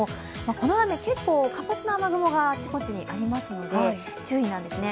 この雨、結構活発な雨雲があちこにちありますので注意なんですね。